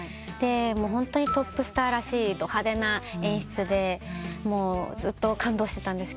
ホントにトップスターらしいど派手な演出でずっと感動してたんですけど。